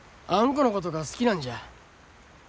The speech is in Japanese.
このことが好きなんじゃ。